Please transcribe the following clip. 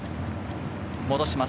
戻します。